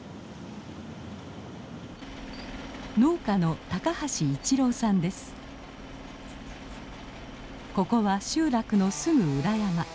農家のここは集落のすぐ裏山。